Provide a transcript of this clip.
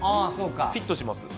フィットします。